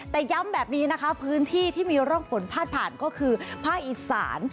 แต่ย้ำแบบนี้นะคะพื้นที่ที่มีร่องฝนพาดผ่านก็คือภาคอีสาน